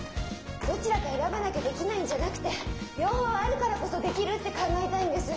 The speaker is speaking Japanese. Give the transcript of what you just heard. どちらか選ばなきゃできないんじゃなくて両方あるからこそできるって考えたいんです。